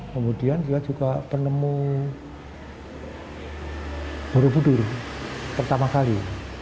kemudian dia juga penemu borobudur pertama kali